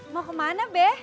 mau kemana be